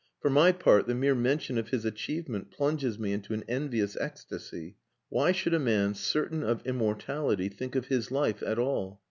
For my part, the mere mention of his achievement plunges me into an envious ecstasy. Why should a man certain of immortality think of his life at all?"